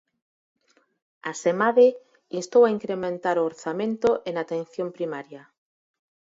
Asemade, instou a incrementar o orzamento en Atención Primaria.